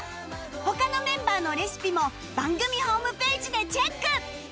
他のメンバーのレシピも番組ホームページでチェック！